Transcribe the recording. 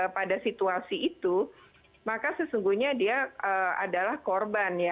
pada situasi itu maka sesungguhnya dia adalah korban ya